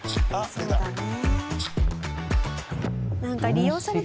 そうだね。